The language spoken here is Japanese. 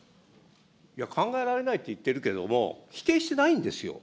考えられないと言っているけれども、否定してないんですよ。